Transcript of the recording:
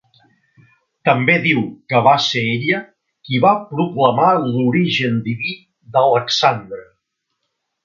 També diu que va ser ella qui va proclamar l'origen diví d'Alexandre.